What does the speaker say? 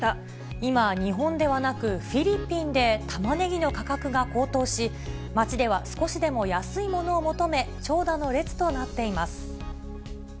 今、日本ではなく、フィリピンでタマネギの価格が高騰し、街では少しでも安いものを求め、長蛇の列となっています。